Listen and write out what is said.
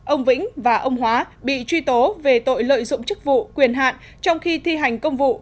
ông vĩnh và ông hóa bị truy tố về tội lợi dụng chức vụ quyền hạn trong khi thi hành công vụ